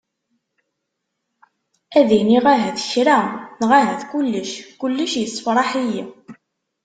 Ad iniɣ ahat kra! Neɣ ahat kulec, kulec yessefraḥ-iyi.